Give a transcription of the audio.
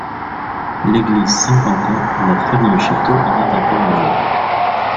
L'église Saint-Quentin et la ferme-château en est un témoignage.